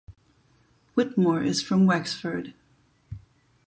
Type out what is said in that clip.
Whitmore is from Wexford.